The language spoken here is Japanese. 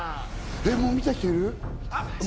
もう見た人いる？